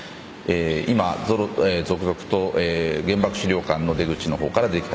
今、続々と原爆資料館の出口の方から出てきた。